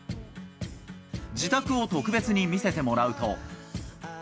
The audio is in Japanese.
自宅を特別に見せてもらうと。